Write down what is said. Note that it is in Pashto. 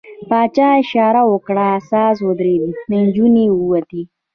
پاچا اشاره وکړه، ساز ودرېد، نجونې ووتې.